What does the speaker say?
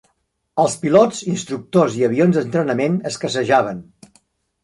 Els pilots, instructors i avions d'entrenament escassejaven.